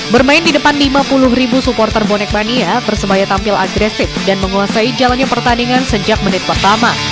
bermain di depan lima puluh ribu supporter bonek mania persebaya tampil agresif dan menguasai jalannya pertandingan sejak menit pertama